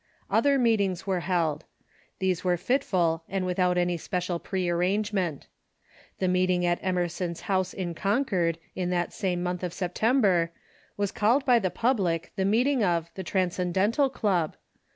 Other meetings were held. These were fitful, and without any special prearrangement. The meeting at Emerson's house in Concord in that same month of September was called by the public the meeting of the "Transcendental Club."